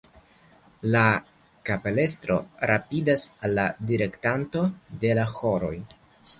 La kapelestro rapidas al la direktanto de la ĥoroj.